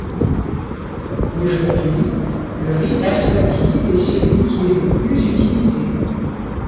Aujourd'hui, le riz basmati est celui qui est le plus utilisé.